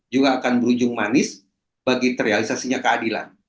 juga akan berujung manis bagi terrealisasinya keadilan